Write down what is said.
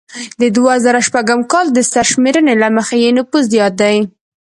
د دوه زره شپږم کال د سرشمیرنې له مخې یې نفوس زیات دی